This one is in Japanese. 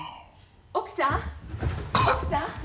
・奥さん奥さん。